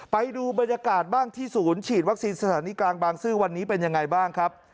ไปดูบรรยากาศบ้างที่ศูนย์ฉีดวัคซีนสถานีกลางบางซื่อวันนี้เป็นยังไงบ้างครับ